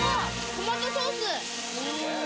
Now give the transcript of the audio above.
トマトソースおぉ。